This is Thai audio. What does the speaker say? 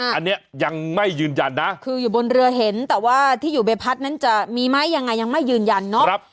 อันนี้ยังไม่ยืนยันนะคืออยู่บนเรือเห็นแต่ว่าที่อยู่ใบพัดนั้นจะมีไหมยังไงยังไม่ยืนยันเนาะ